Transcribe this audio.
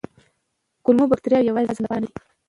کولمو بکتریاوې یوازې د هضم لپاره نه دي.